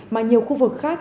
mà nhiều khu vực khác